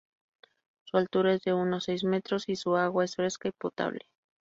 Su altura es de unos seis metros y su agua es fresca y potable.